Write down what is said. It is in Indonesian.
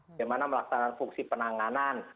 bagaimana melaksanakan fungsi penanganan